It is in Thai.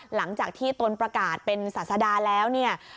หลังจากที่ตนประกาศเป็นศาสดาแล้วเนี่ย